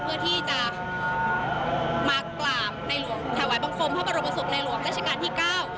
เพื่อที่จะมากราบถ้าไหวบังคมพระบรมสุทธิ์ในหลวงราชกาลที่เก้า